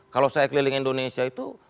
kalau saya keliling indonesia itu